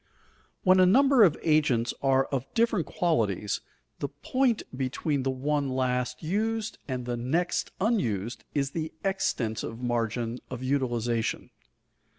When a number of agents are of different qualities, the point between the one last used and the next unused is the extensive margin of utilization.